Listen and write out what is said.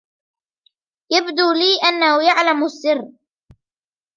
يبدوا لي أنه يعلم السر